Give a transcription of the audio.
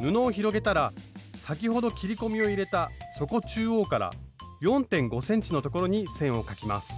布を広げたら先ほど切り込みを入れた底中央から４．５ｃｍの所に線を描きます